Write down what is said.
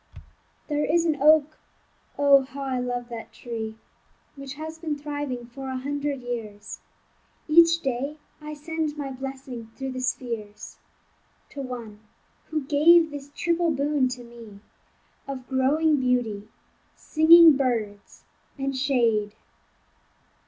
There is an oak (oh! how I love that tree) Which has been thriving for a hundred years; Each day I send my blessing through the spheres To one who gave this triple boon to me, Of growing beauty, singing birds, and shade.